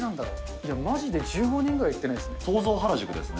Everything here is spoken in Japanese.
いや、まじで１５年ぐらい行ってないですね。